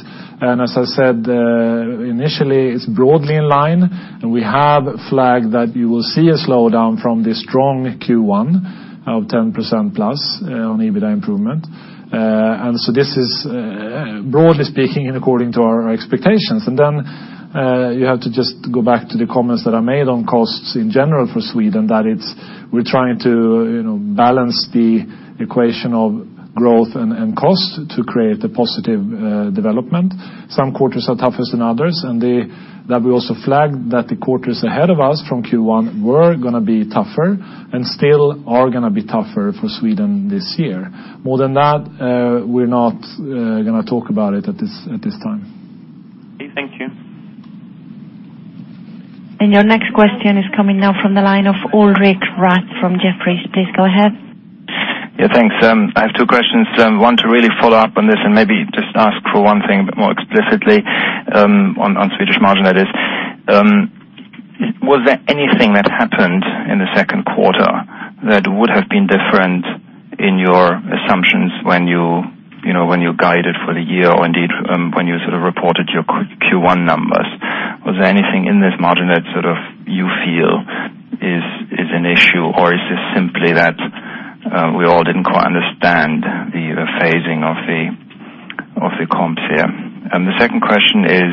As I said, initially, it's broadly in line, and we have flagged that you will see a slowdown from the strong Q1 of 10% plus on EBITDA improvement. This is broadly speaking in according to our expectations. You have to just go back to the comments that are made on costs in general for Sweden, that we're trying to balance the equation of growth and cost to create a positive development. Some quarters are tougher than others, and that we also flagged that the quarters ahead of us from Q1 were going to be tougher and still are going to be tougher for Sweden this year. More than that, we're not going to talk about it at this time. Okay, thank you. Your next question is coming now from the line of Ulrich Rathe from Jefferies. Please go ahead. Yeah, thanks. I have two questions. One, to really follow up on this and maybe just ask for one thing a bit more explicitly on Swedish margin that is. Was there anything that happened in the second quarter that would have been different in your assumptions when you guided for the year or indeed when you sort of reported your Q1 numbers? Was there anything in this margin that you feel is an issue or is this simply that we all didn't quite understand the phasing of the comps here? The second question is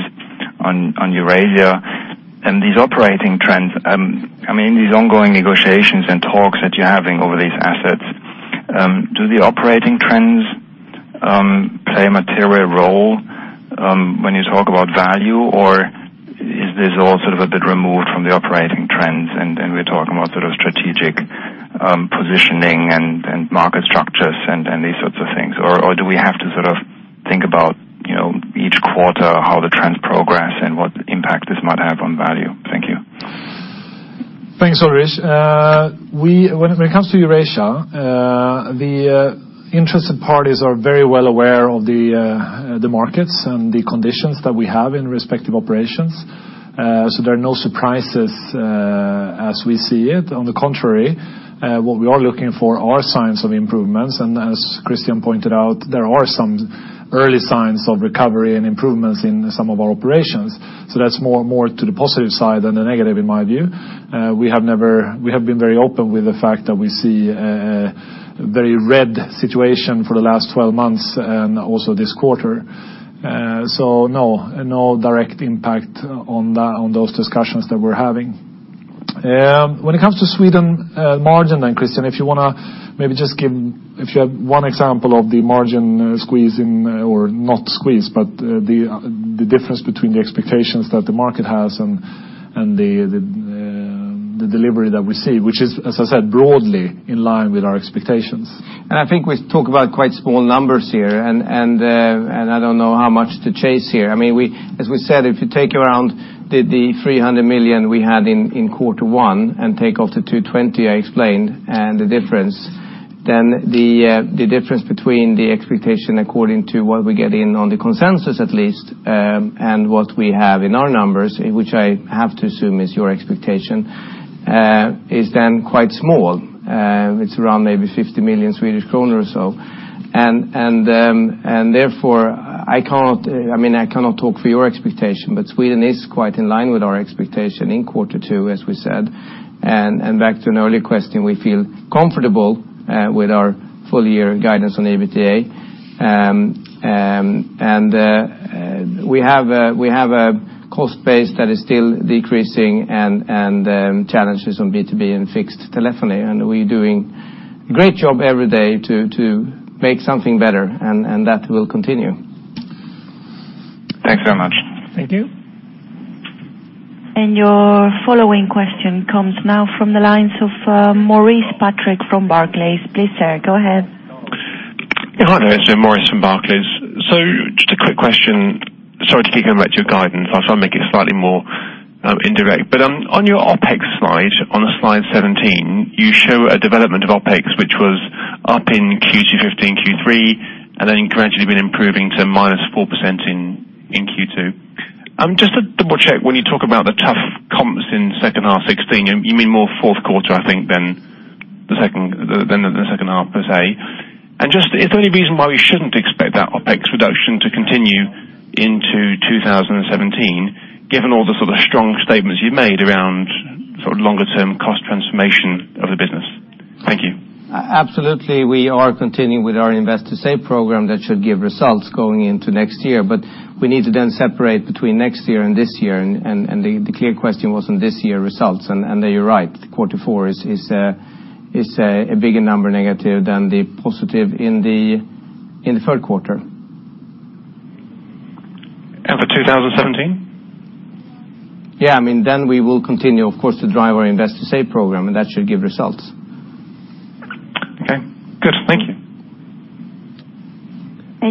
on Eurasia and these operating trends. These ongoing negotiations and talks that you're having over these assets, do the operating trends play a material role when you talk about value, or is this all a bit removed from the operating trends and we're talking about strategic positioning and market structures and these sorts of things? Do we have to think about each quarter how the trends progress and what impact this might have on value? Thank you. Thanks, Ulrich. When it comes to Eurasia, the interested parties are very well aware of the markets and the conditions that we have in respective operations. There are no surprises as we see it. On the contrary, what we are looking for are signs of improvements. As Christian pointed out, there are some early signs of recovery and improvements in some of our operations. That's more to the positive side than the negative, in my view. We have been very open with the fact that we see a very red situation for the last 12 months and also this quarter. No direct impact on those discussions that we're having. When it comes to Sweden margin, Christian, if you want to maybe just give one example of the margin squeeze, or not squeeze, but the difference between the expectations that the market has and the delivery that we see, which is, as I said, broadly in line with our expectations. I think we talk about quite small numbers here, and I don't know how much to chase here. As we said, if you take around 300 million we had in quarter one and take off 220 I explained and the difference, the difference between the expectation according to what we get in on the consensus at least and what we have in our numbers, which I have to assume is your expectation, is quite small. It's around maybe 50 million Swedish kronor or so. Therefore, I cannot talk for your expectation, but Sweden is quite in line with our expectation in quarter two, as we said. Back to an earlier question, we feel comfortable with our full-year guidance on the EBITDA. We have a cost base that is still decreasing and challenges on B2B and fixed telephony, and we're doing a great job every day to make something better, and that will continue. Thanks very much. Thank you. Your following question comes now from the lines of Maurice Patrick from Barclays. Please, sir, go ahead. Hi there. It's Maurice from Barclays. Just a quick question. Sorry to keep coming back to your guidance. I'll try and make it slightly more indirect. On your OpEx slide, on slide 17, you show a development of OpEx, which was up in Q2 2015, Q3, and then gradually been improving to -4% in Q2. Just to double-check, when you talk about the tough comps in second half 2016, you mean more fourth quarter, I think, than the second half per se. Just is there any reason why we shouldn't expect that OpEx reduction to continue into 2017, given all the sort of strong statements you made around longer-term cost transformation of the business? Thank you. Absolutely. We are continuing with our Invest to Save program that should give results going into next year. We need to then separate between next year and this year, and the clear question was on this year results. There you're right. Quarter four is a bigger number negative than the positive in the third quarter. For 2017? Yeah. We will continue, of course, to drive our Invest to Save program, and that should give results. Okay. Good. Thank you.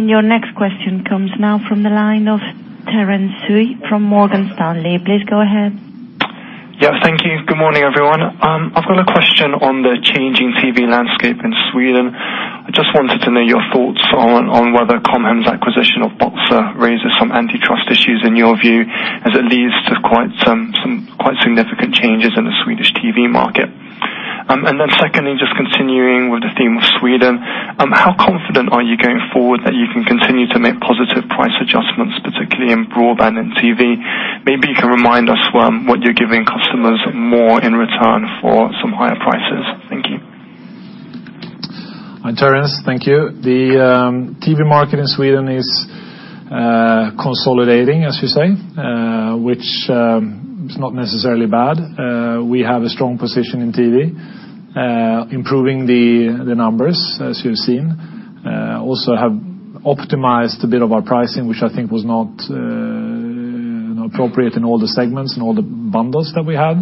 Your next question comes now from the line of Terence Sio from Morgan Stanley. Please go ahead. Yeah. Thank you. Good morning, everyone. I've got a question on the changing TV landscape in Sweden. I just wanted to know your thoughts on whether Com Hem's acquisition of Boxer raises some antitrust issues in your view, as it leads to some quite significant changes in the Swedish TV market. Secondly, just continuing with the theme of Sweden, how confident are you going forward that you can continue to make positive price adjustments, particularly in broadband and TV? Maybe you can remind us what you're giving customers more in return for some higher prices. Thank you. Hi, Terence. Thank you. The TV market in Sweden is consolidating, as you say, which is not necessarily bad. We have a strong position in TV, improving the numbers, as you've seen. Also have optimized a bit of our pricing, which I think was not appropriate in all the segments, in all the bundles that we have.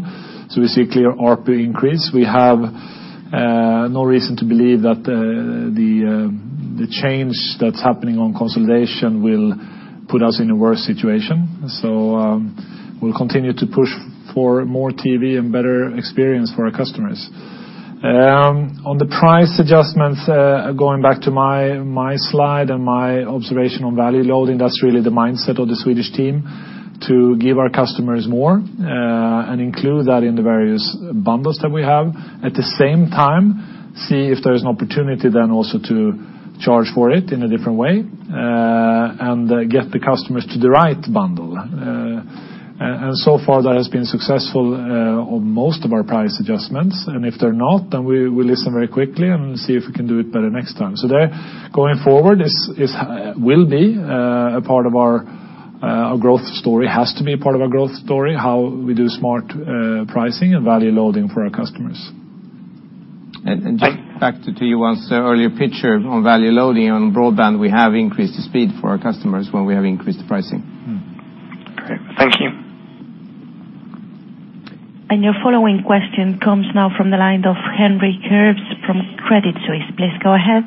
We see a clear ARPU increase. We have no reason to believe that the change that's happening on consolidation will put us in a worse situation. We'll continue to push for more TV and better experience for our customers. On the price adjustments, going back to my slide and my observation on value loading, that's really the mindset of the Swedish team, to give our customers more, and include that in the various bundles that we have. At the same time, see if there's an opportunity then also to charge for it in a different way, and get the customers to the right bundle. So far that has been successful on most of our price adjustments, and if they're not, then we listen very quickly and see if we can do it better next time. There, going forward, this will be a part of our growth story, has to be a part of our growth story, how we do smart pricing and value loading for our customers. Just back to you on the earlier picture on value loading on broadband, we have increased the speed for our customers when we have increased the pricing. Great. Thank you. Your following question comes now from the line of Christopher Kurz from Credit Suisse. Please go ahead.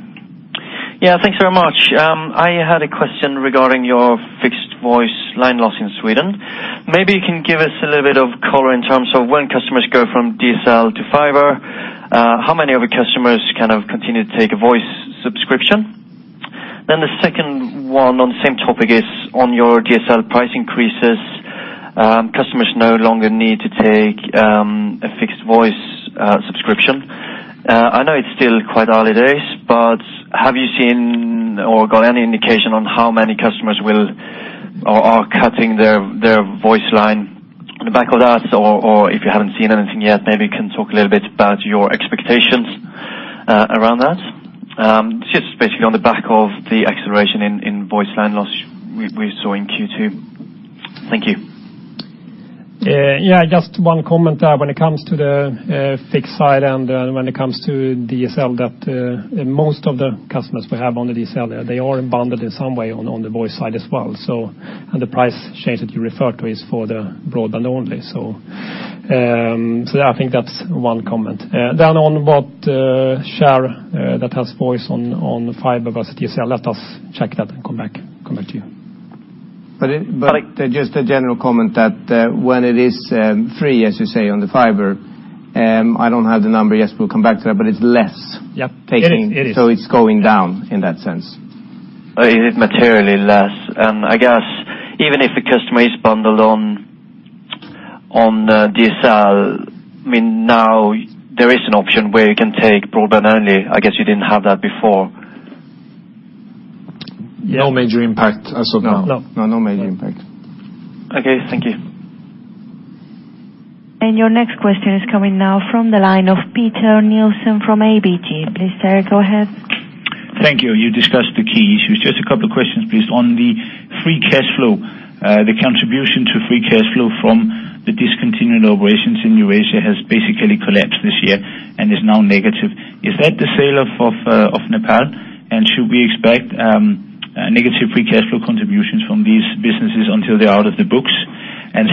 Thanks very much. I had a question regarding your fixed voice line loss in Sweden. Maybe you can give us a little bit of color in terms of when customers go from DSL to fiber, how many of your customers kind of continue to take a voice subscription? The second one on the same topic is on your DSL price increases. Customers no longer need to take a fixed voice subscription. I know it's still quite early days, but have you seen or got any indication on how many customers are cutting their voice line on the back of that? Or if you haven't seen anything yet, maybe you can talk a little bit about your expectations around that. Just basically on the back of the acceleration in voice line loss we saw in Q2. Thank you. Just one comment there. When it comes to the fixed side and when it comes to DSL, that most of the customers we have on the DSL, they are bundled in some way on the voice side as well. The price change that you referred to is for the broadband only. I think that's one comment. Then on what share that has voice on the fiber versus DSL, let us check that and come back to you. Just a general comment that when it is free, as you say, on the fiber, I don't have the number yet, we'll come back to that. Yeah taken. It is. It's going down in that sense. Is it materially less? I guess even if the customer is bundled on DSL, now there is an option where you can take broadband only. I guess you didn't have that before. No major impact as of now. No. No, no major impact. Okay. Thank you. Your next question is coming now from the line of Peter Nielsen from ABG. Please, sir, go ahead. Thank you. You discussed the key issues. Just a couple of questions, please. On the free cash flow, the contribution to free cash flow from the discontinued operations in Eurasia has basically collapsed this year and is now negative. Is that the sale of Ncell, and should we expect negative free cash flow contributions from these businesses until they're out of the books?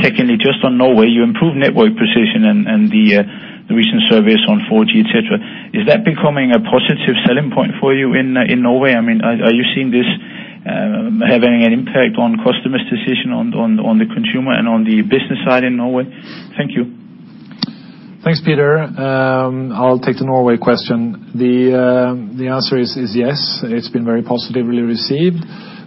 Secondly, just on Norway, you improved network precision and the recent surveys on 4G, et cetera. Is that becoming a positive selling point for you in Norway? Are you seeing this having an impact on customers' decision on the consumer and on the business side in Norway? Thank you. Thanks, Peter. I'll take the Norway question. The answer is yes, it's been very positively received.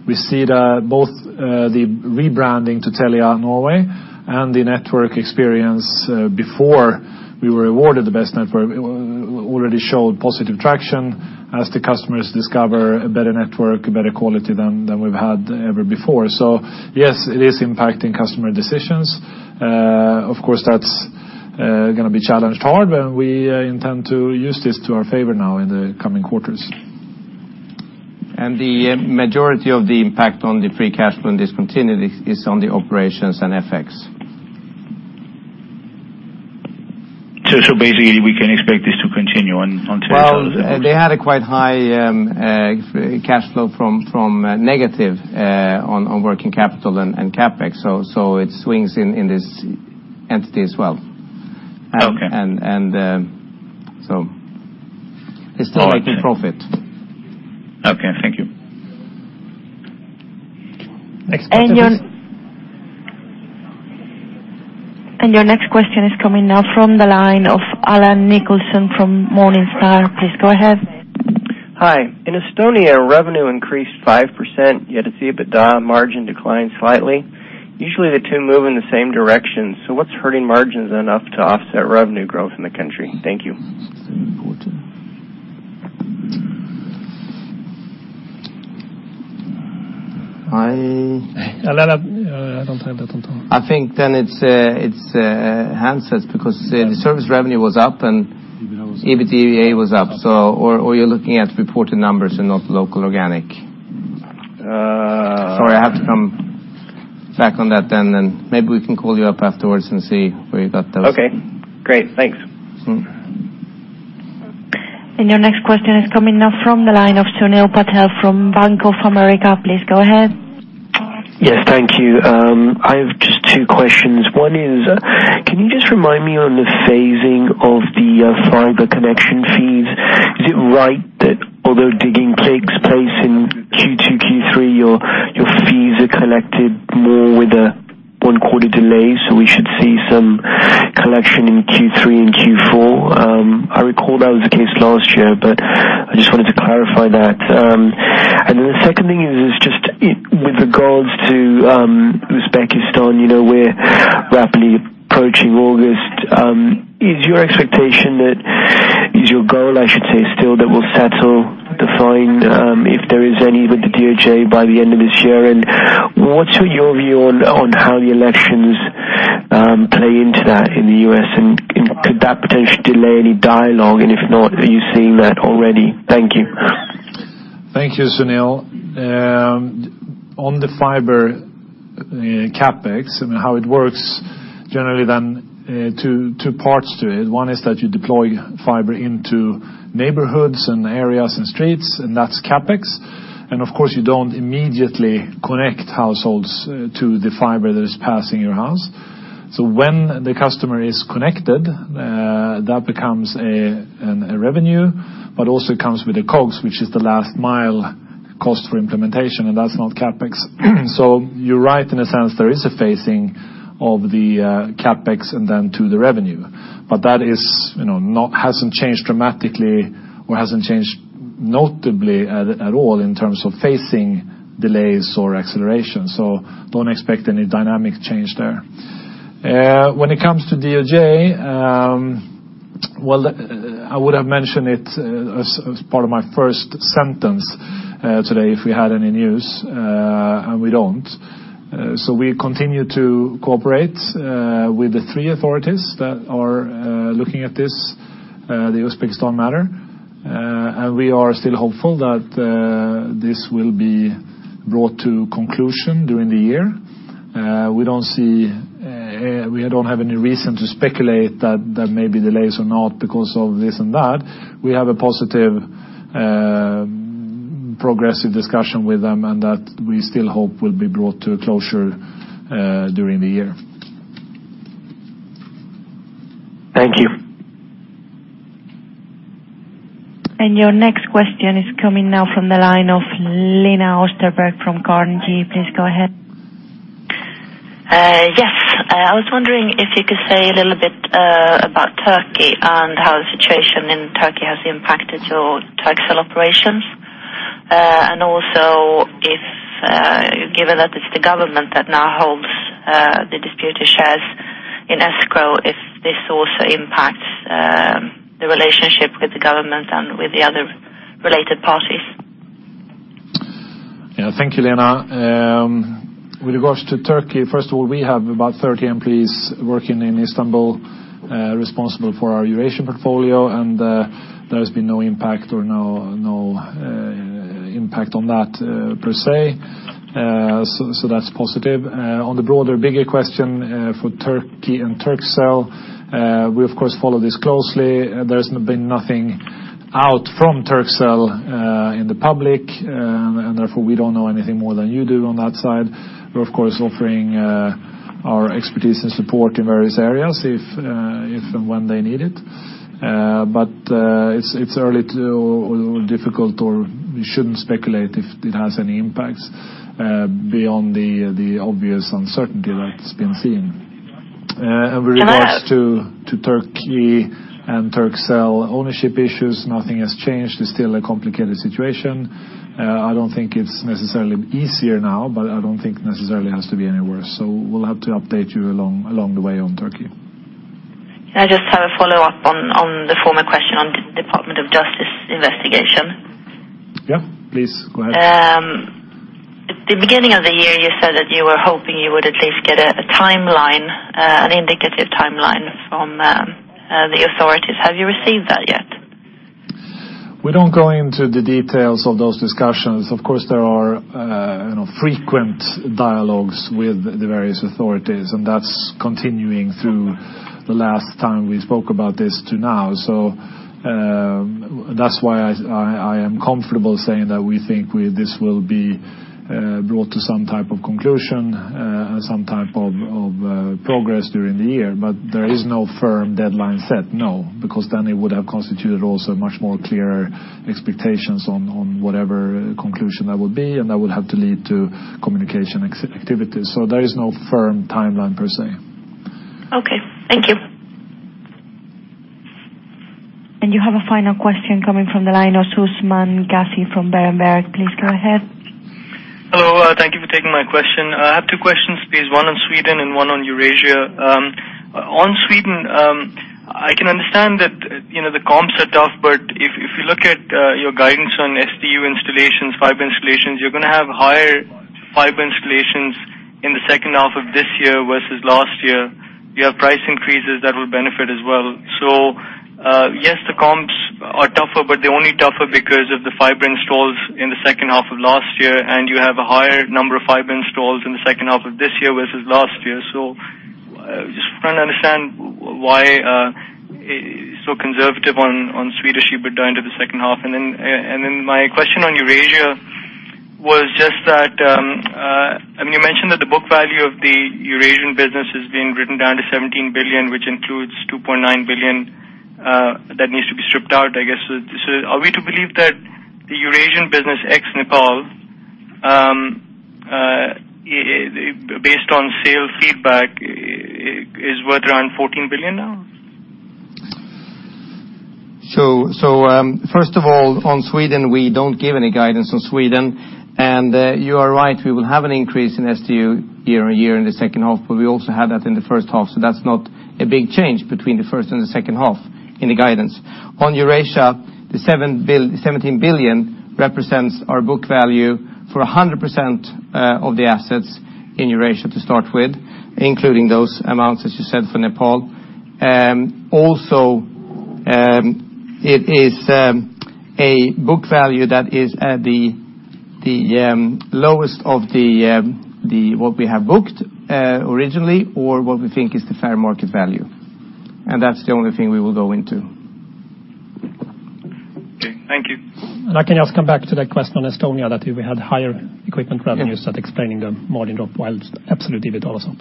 We see that both the rebranding to Telia Norway and the network experience before we were awarded the best network already showed positive traction as the customers discover a better network, a better quality than we've had ever before. Yes, it is impacting customer decisions. Of course, that's going to be challenged hard, but we intend to use this to our favor now in the coming quarters. The majority of the impact on the free cash flow and discontinued is on the operations and FX. Basically, we can expect this to continue on Telia Company? Well, they had a quite high cash flow from negative on working capital and CapEx. It swings in this entity as well. Okay. They're still making profit. Okay. Thank you. Next question. Your next question is coming now from the line of Alan Nicholson from Morningstar. Please go ahead. Hi. In Estonia, revenue increased 5%, yet EBITDA margin declined slightly. Usually, the two move in the same direction. What's hurting margins enough to offset revenue growth in the country? Thank you. Important. I- Alan, I don't have that on top. I think then it's handsets, because the service revenue was up. EBITDA was up. EBITDA was up. Or you're looking at reported numbers and not local organic. Sorry, I have to come back on that then and maybe we can call you up afterwards and see where you got those. Okay, great. Thanks. Your next question is coming now from the line of Sunil Patel from Bank of America. Please go ahead. Yes. Thank you. I have just two questions. One is, can you just remind me on the phasing of the fiber connection fees? Is it right that although digging takes place in Q2, Q3, your fees are collected more with a one-quarter delay, so we should see some collection in Q3 and Q4? I recall that was the case last year, but I just wanted to clarify that. Then the second thing is just with regards to Uzbekistan, we're rapidly approaching August. Is your goal still that we'll settle the fine, if there is any, with the DOJ by the end of this year? What's your view on how the elections play into that in the U.S., and could that potentially delay any dialogue? If not, are you seeing that already? Thank you. Thank you, Sunil. On the fiber CapEx and how it works, generally two parts to it. One is that you deploy fiber into neighborhoods and areas and streets, and that's CapEx. Of course, you don't immediately connect households to the fiber that is passing your house. When the customer is connected, that becomes a revenue, but also comes with a COGS, which is the last mile cost for implementation, and that's not CapEx. You're right in a sense, there is a phasing of the CapEx and then to the revenue. That hasn't changed dramatically or hasn't changed notably at all in terms of phasing delays or acceleration. Don't expect any dynamic change there. When it comes to DOJ, well, I would have mentioned it as part of my first sentence today if we had any news, and we don't. We continue to cooperate with the three authorities that are looking at this Uzbekistan matter. We are still hopeful that this will be brought to conclusion during the year. We don't have any reason to speculate that there may be delays or not because of this and that. We have a positive progressive discussion with them, that we still hope will be brought to a closure during the year. Thank you. Your next question is coming now from the line of Lena Österberg from Carnegie. Please go ahead. Yes. Also if, given that it's the government that now holds the disputed shares in escrow, if this also impacts the relationship with the government and with the other related parties. Yeah. Thank you, Lena. With regards to Turkey, first of all, we have about 30 employees working in Istanbul, responsible for our Eurasian portfolio, and there has been no impact on that per se. That's positive. On the broader, bigger question for Turkey and Turkcell, we of course follow this closely. There's been nothing out from Turkcell in the public, and therefore we don't know anything more than you do on that side. We're of course offering our expertise and support in various areas if and when they need it. It's a little difficult, or we shouldn't speculate if it has any impacts beyond the obvious uncertainty that's been seen. With regards to Turkey and Turkcell ownership issues, nothing has changed. It's still a complicated situation. I don't think it's necessarily easier now, but I don't think necessarily it has to be any worse. We'll have to update you along the way on Turkey. Can I just have a follow-up on the former question on Department of Justice investigation? Yeah, please go ahead. At the beginning of the year, you said that you were hoping you would at least get a timeline, an indicative timeline from the authorities. Have you received that yet? We don't go into the details of those discussions. Of course, there are frequent dialogues with the various authorities, that's continuing through the last time we spoke about this to now. That's why I am comfortable saying that we think this will be brought to some type of conclusion, some type of progress during the year, there is no firm deadline set, no, because then it would have constituted also much more clear expectations on whatever conclusion that would be, that would have to lead to communication activities. There is no firm timeline per se. Okay. Thank you. You have a final question coming from the line of Usman Ghazi from Berenberg. Please go ahead. Hello, thank you for taking my question. I have two questions, please. One on Sweden and one on Eurasia. On Sweden, I can understand that the comps are tough. If you look at your guidance on SDU installations, fiber installations, you're going to have higher fiber installations in the second half of this year versus last year. You have price increases that will benefit as well. Yes, the comps are tougher. They're only tougher because of the fiber installs in the second half of last year, and you have a higher number of fiber installs in the second half of this year versus last year. Just trying to understand why so conservative on Swedish EBITDA in the second half. My question on Eurasia was just that, you mentioned that the book value of the Eurasian business is being written down to 17 billion, which includes 2.9 billion that needs to be stripped out, I guess. Are we to believe that the Eurasian business ex Nepal, based on sales feedback, is worth around SEK 14 billion now? First of all, on Sweden, we don't give any guidance on Sweden. You are right, we will have an increase in SDU year-on-year in the second half, but we also had that in the first half. That's not a big change between the first and the second half in the guidance. On Eurasia, the 17 billion represents our book value for 100% of the assets in Eurasia to start with, including those amounts, as you said, for Nepal. Also, it is a book value that is the lowest of what we have booked originally or what we think is the fair market value. That's the only thing we will go into. Okay. Thank you. I can just come back to that question on Estonia that we had higher equipment revenues that explaining the margin drop while absolute EBITDA was up.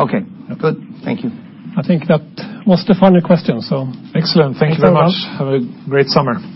Okay, good. Thank you. I think that was the final question, so excellent. Thank you very much. Have a great summer.